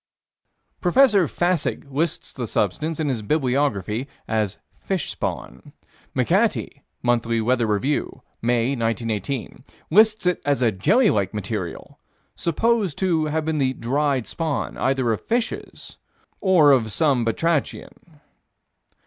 Prof. Fassig lists the substance, in his "Bibliography," as fish spawn. McAtee (Monthly Weather Review, May, 1918) lists it as a jelly like material, supposed to have been the "dried" spawn either of fishes or of some batrachian.